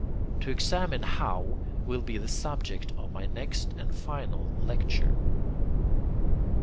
To examine how, will be the subject of my next and final lecture.